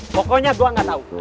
pokoknya gua gak tahu